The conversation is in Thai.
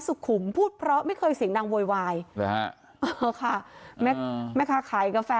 สุขุมพูดเพราะไม่เคยเสียงดังโวยวายเลยฮะเออค่ะแม่แม่ค้าขายกาแฟ